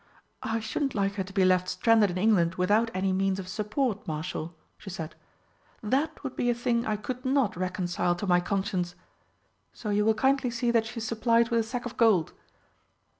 "I shouldn't like her to be left stranded in England without any means of support, Marshal," she said. "That would be a thing I could not reconcile to my conscience. So you will kindly see that she is supplied with a sack of gold."